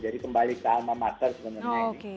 jadi kembali ke alma mater sebenarnya